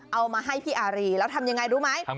เอามาให้พี่อารีแล้วทำยังไงรู้ไหม